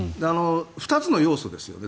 ２つの要素ですよね。